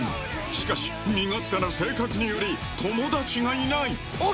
しかし、身勝手な生活により友達がいない。